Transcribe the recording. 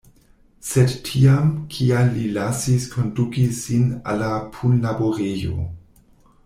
Sed tiam, kial li lasis konduki sin al la punlaborejo?